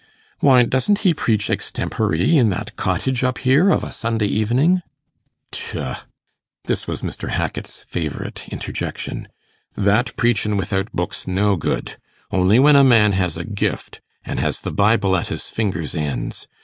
Why, doesn't he preach extempore in that cottage up here, of a Sunday evening?' 'Tchuh!' this was Mr. Hackit's favourite interjection 'that preaching without book's no good, only when a man has a gift, and has the Bible at his fingers' ends.